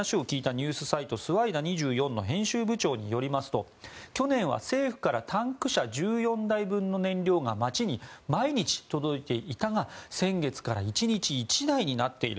ニュースサイトスワイダ２４の編集部長によりますと去年は政府からタンク車１４台分の燃料が街に毎日届いていたが先月から１日１台になっている。